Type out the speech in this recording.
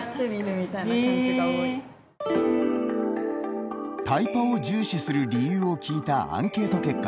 タイパを重視する理由を聞いたアンケート結果です。